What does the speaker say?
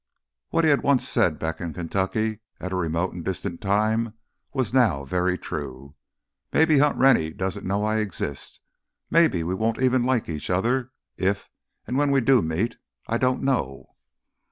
What he had once said back in Kentucky at a remote and distant time was very true now. "Maybe Hunt Rennie doesn't know I exist; maybe we won't even like each other if and when we do meet ... I don't know...."